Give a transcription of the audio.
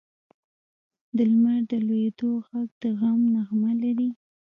د لمر د لوېدو ږغ د غم نغمه لري.